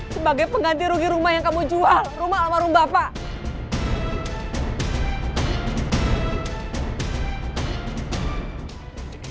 sebagai pengganti rugi rumah yang kamu jual rumah almarhum bapak